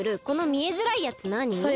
このみえづらいやつなに？